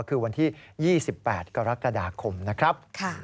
คือวันที่๒๘กรกฎาคมนะครับ